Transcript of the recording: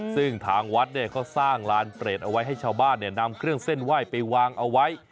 ซึ่งทางวัดเขาสร้างลานเปรตเอาไว้ให้ชาวบ้านนำเครื่องเส้นไหว้ไปวางเอาไว้